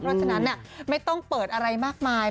เพราะฉะนั้นไม่ต้องเปิดอะไรมากมาย